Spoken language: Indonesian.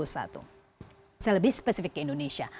saya lebih spesifik ke indonesia